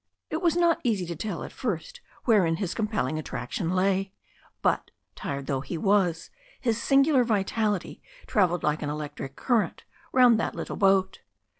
It was not easy to tell at first wherein his compelling attraction lay. But, tired though he was, his singular vitality travelled like an electric current round that little boat.